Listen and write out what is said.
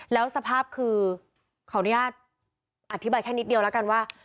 แล้วสภาพคือขออนุญาตอธิบายแค่นิดเดียวแล้วกันว่า